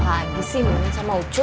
lagi sih mimin sama ucu